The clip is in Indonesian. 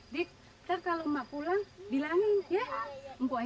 dik terkalem makulang bilangin ya mpok